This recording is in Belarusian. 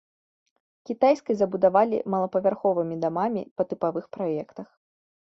Кітайскай забудавалі малапавярховымі дамамі па тыпавых праектах.